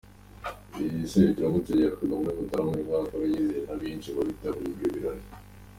Iri serukiramuco ryaherukaga muri Mutarama uyu mwaka aho ryizihiye benshi mu bitabiriye ibi birori.